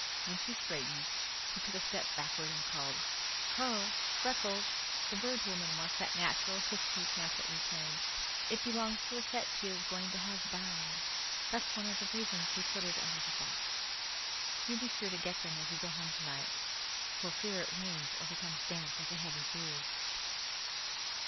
When she straightened, she took a step backward and called: "Ho! Freckles, the Bird Woman wants that natural history pamphlet returned. It belongs to a set she is going to have bound. That's one of the reasons we put it under the box. You be sure to get them as you go home tonight, for fear it rains or becomes damp with the heavy dews."